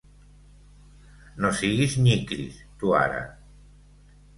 No siguis nyicris, tu ara.